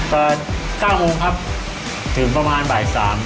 เปิด๙โมงครับถึงประมาณบ่าย๓